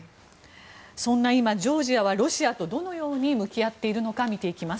そんな今、ジョージアはロシアとどのように向き合っているのか見ていきます。